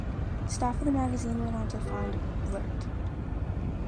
Staff of the magazine went on to found "Blurt".